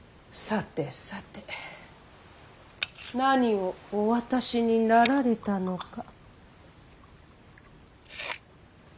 さてさて何をお渡しになられたのか。